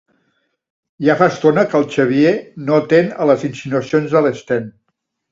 Ja fa estona que el Xavier no atén a les insinuacions de l'Sten.